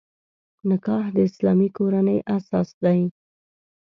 نکاح د اسلامي کورنۍ اساس دی.